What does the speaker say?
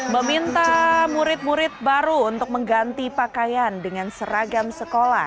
meminta murid murid baru untuk mengganti pakaian dengan seragam sekolah